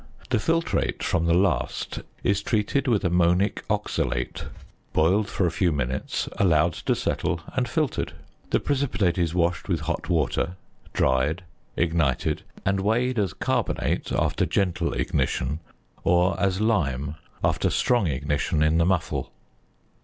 ~ The filtrate from the last is treated with ammonic oxalate, boiled for a few minutes, allowed to settle, and filtered. The precipitate is washed with hot water; dried; ignited; and weighed as carbonate, after gentle ignition; or as lime, after strong ignition in the muffle.